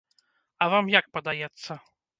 А вам як падаецца?